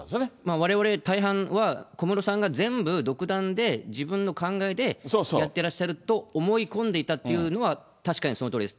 われわれ、大半は小室さんが全部独断で、自分の考えでやってらっしゃると思い込んでいたっていうのは、確かにそのとおりです。